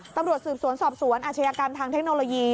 ตำรวจสืบสวนสอบสวนอาชญากรรมทางเทคโนโลยี